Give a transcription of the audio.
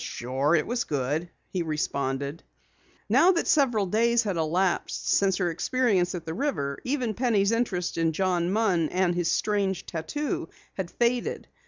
"Sure, it was good," he responded. Now that several days had elapsed since her experience at the river, even Penny's interest in John Munn and his strange tattoo, had faded.